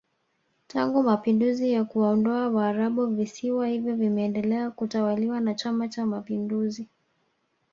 Tangu Mapinduzi ya kuwaondoa waarabu visiwa hivyo vimeendelea kutawaliwa na chama cha mapinduzi